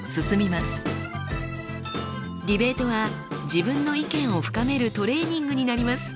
ディベートは自分の意見を深めるトレーニングになります。